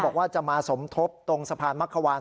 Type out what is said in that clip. บอกว่าจะมาสมทบตรงสะพานมักขวาน